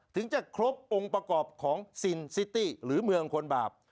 ถึงจะครบองค์ประกอบของซินซิตี้หรือเมืองคนบาป